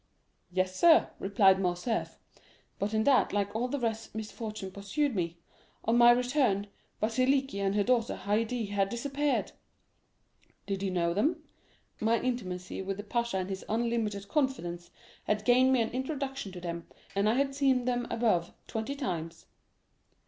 '—'Yes, sir,' replied Morcerf; 'but in that, like all the rest, misfortune pursued me. On my return, Vasiliki and her daughter Haydée had disappeared.'—'Did you know them?'—'My intimacy with the pasha and his unlimited confidence had gained me an introduction to them, and I had seen them above twenty times.